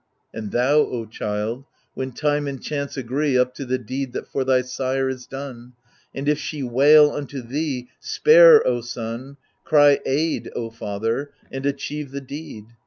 And thou, O child, when Time and Chance agree. Up to the deed that for thy sire is done I And if she wail unto thee, Spare^ O son — Cry, Aid^ O father — and achieve the deed.